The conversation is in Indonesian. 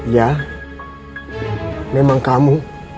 ya memang kamu